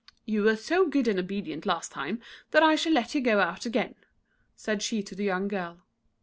"You were so good and obedient last time, that I shall let you go out again," said she to the young girl.